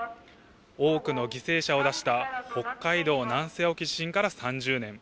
多くの犠牲者を出した北海道南西沖地震から３０年。